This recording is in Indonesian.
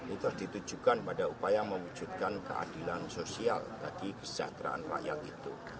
itu harus ditujukan pada upaya mewujudkan keadilan sosial bagi kesejahteraan rakyat itu